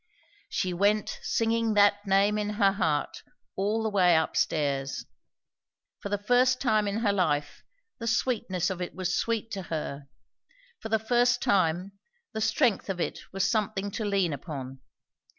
She went singing that Name in her heart all the way up stairs; for the first time in her life the sweetness of it was sweet to her; for the first time, the strength of it was something to lean upon.